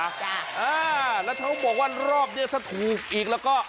จ้ะอ่าแล้วเขาบอกว่ารอบเนี้ยถ้าถูกอีกแล้วก็